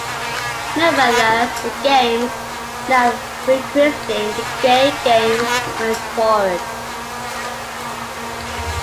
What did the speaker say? Nevertheless, the games, now re-christened the "Gay Games," went forward.